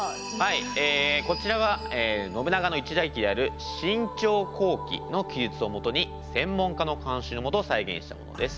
こちらは信長の一代記である「信長公記」の記述をもとに専門家の監修の下再現したものです。